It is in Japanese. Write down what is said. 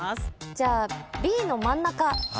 じゃあＢの真ん中。